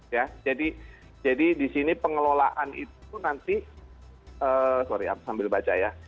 ya jadi disini pengelolaan itu nanti sorry aku sambil baca ya